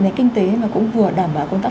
nền kinh tế mà cũng vừa đảm bảo công tác